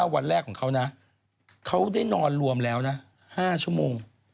วันแรกของเขานะเขาได้นอนรวมแล้วนะ๕ชั่วโมง